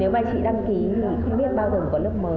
nếu mà chị đăng ký thì không biết bao giờ có lớp mới